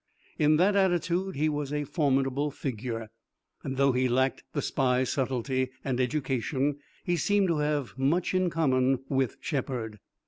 In that attitude he was a formidable figure, and, though he lacked the spy's subtlety and education, he seemed to have much in common with Shepard.